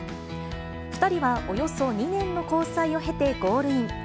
２人はおよそ２年の交際を経てゴールイン。